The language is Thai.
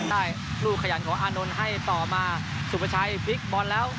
ได้ลูกขยันของอานนท์ให้ต่อมาสุภาชัยพลิกบอลแล้ว